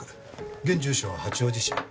現住所は八王子市。